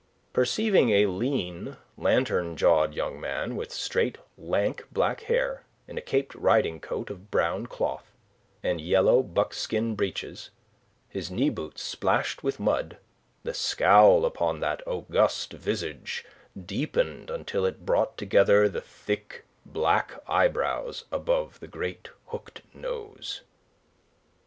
Perceiving a lean, lantern jawed young man, with straight, lank black hair, in a caped riding coat of brown cloth, and yellow buckskin breeches, his knee boots splashed with mud, the scowl upon that august visage deepened until it brought together the thick black eyebrows above the great hooked nose.